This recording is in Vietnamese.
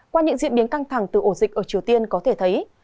qua những diễn biến căng thẳng từ ổ dịch ở triều tiên có thể thấy